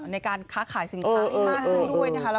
ในการค้าขายสินค้าให้มากขึ้นด้วยนะคะ